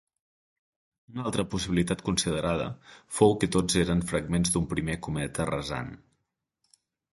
Una altra possibilitat considerada fou que tots eren fragments d'un primer cometa rasant.